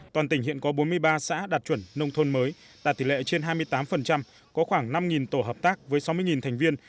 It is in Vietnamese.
toàn tỉnh hiện có bốn mươi ba xã đạt chuẩn nông thôn mới đạt tỷ lệ trên hai mươi tám có khoảng năm tổ hợp tác với sáu mươi thành viên